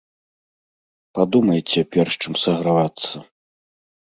Падумайце, перш чым сагравацца.